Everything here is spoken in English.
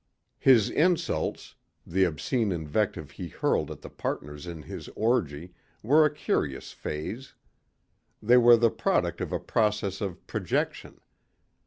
His insults, the obscene invective he hurled at the partners in his orgy, were a curious phase. They were the product of a process of projection.